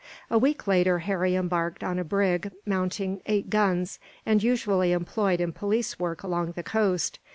A week later, Harry embarked on a brig mounting eight guns, and usually employed in police work along the coast.